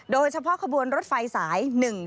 โดยเฉพาะขบวนรถไฟสาย๑๔